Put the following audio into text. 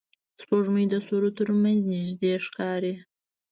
سپوږمۍ د ستورو تر منځ نږدې ښکاري